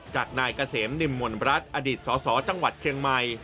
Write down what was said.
จากนายเกษมนิมหม่นรัฐอดีตสสจังหวัดเชียงใหม่